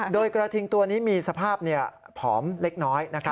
โดยกระทิงตัวนี้มีสภาพผอมเล็กน้อย